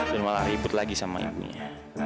dan malah ribet lagi sama ibunya